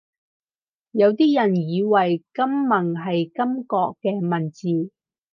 有啲人以為金文係金國嘅文字